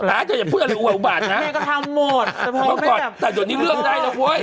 อ่ะอย่าเพิ่มแล้วอังปรักษณ์แม่ก็ทำหมดแต่ตอนนี้เรื่องได้แล้วพร้อม